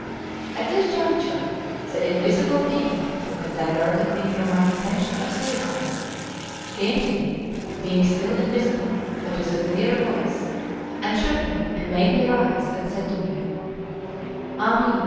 At this juncture the invisible being who had diverted me from my intention of suicide, came to me, being still invisible, but with a clear voice, and shook me, and made me rise, and said to me: "Ah me!